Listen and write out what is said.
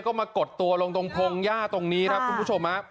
ก็มากดตัวลงตรงพงหญ้าตรงนี้ครับคุณผู้ชมฮะ